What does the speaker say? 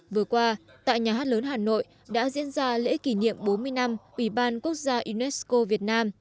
vừa qua tại nhà hát lớn hà nội đã diễn ra lễ kỷ niệm bốn mươi năm ủy ban quốc gia unesco việt nam